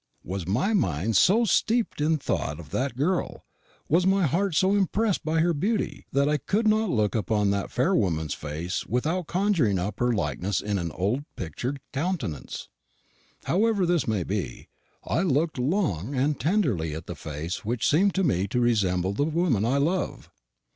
Was my mind so steeped in the thought of that girl was my heart so impressed by her beauty, that I could not look upon a fair woman's face without conjuring up her likeness in the pictured countenance? However this may be, I looked long and tenderly at the face which seemed to me to resemble the woman I love.